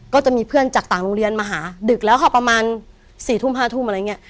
ก็จะมีเพื่อนจากต่างโรงเรียนมาหาดึกแล้วค่ะประมาณ๔ทุ่ม๕ทุ่มอะไรอย่างนี้